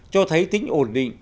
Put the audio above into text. cho thấy tính ổn định